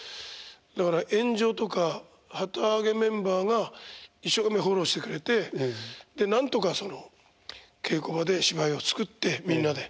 だから演者とか旗揚げメンバーが一生懸命フォローしてくれてでなんとか稽古場で芝居を作ってみんなで。